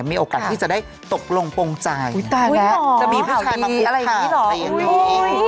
มีโอกาสที่จะได้ตกลงโปรงใจจะมีผู้ชายมาพูดข่าว